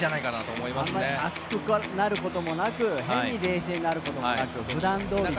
あまり熱くなることもなく変に冷静になることもなく普段どおりという。